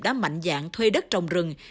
đã mạnh dạng thuê đất trồng rừng